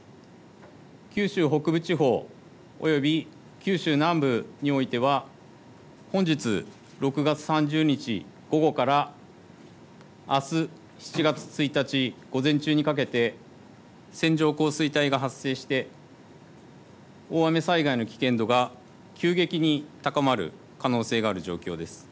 九州北部地方および九州南部においては本日６月３０日午後からあす７月１日午前中にかけて線状降水帯が発生して大雨災害の危険度が急激に高まる可能性がある状況です。